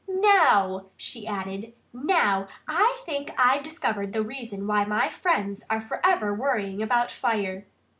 Now " she added "now I think I've discovered the reason why my friends are forever worrying about fire.